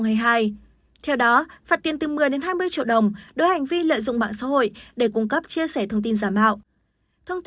theo đó phạt tiền từ một mươi hai mươi triệu đồng đối hành vi lợi dụng mạng xã hội để cung cấp chia sẻ thông tin giả mạo